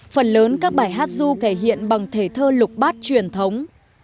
phần lớn các bài hát du thể hiện bằng thể thơ lục bát truyền thống